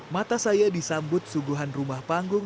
mata saya disambut suguhan rumah panggung